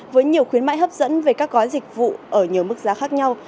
với nhiều khuyến mãi hấp dẫn về các gói dịch vụ ở nhiều mức giá khác nhau